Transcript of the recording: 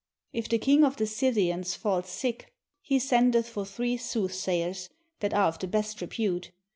If the King of the Scythians fall sick, he sendeth for three soothsayers that are of the best repute.